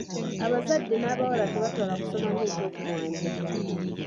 Abazadde n'abawala tebatwala kusoma nga ekyokumwanjo.